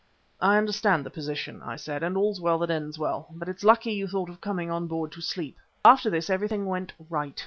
"I understand the position," I said, "and all's well that ends well. But it's lucky you thought of coming on board to sleep." After this everything went right.